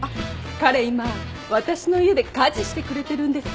彼今私の家で家事してくれてるんです。